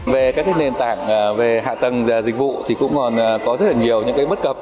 về các nền tảng về hạ tầng dịch vụ thì cũng còn có rất là nhiều những bất cập